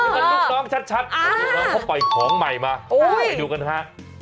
มันลูกน้องชัดแล้วเขาปล่อยของใหม่มาไว้ดูกันค่ะ